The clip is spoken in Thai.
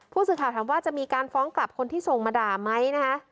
ผู้สื่อข่าวถามว่าจะมีการฟ้องกลับคนที่ส่งมาด่าไหมนะคะ